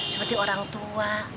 seperti orang tua